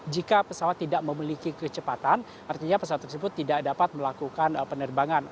jika pesawat tidak memiliki kecepatan artinya pesawat tersebut tidak dapat melakukan penerbangan